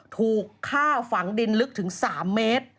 ถูกฆ่าฝังดินลึกถึง๓เมตร